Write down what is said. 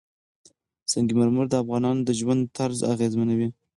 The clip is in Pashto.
سنگ مرمر د افغانانو د ژوند طرز اغېزمنوي.